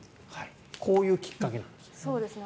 こういうきっかけなんですね。